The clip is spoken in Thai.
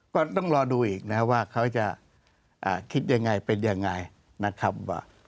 ก็ต้องรอดูอีกนะครับว่าเขาจะคิดยังไงเป็นยังไงนะครับว่า